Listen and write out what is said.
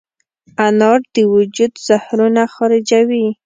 انار د وجود زهرونه خارجوي.